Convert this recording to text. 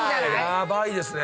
ヤバいですね。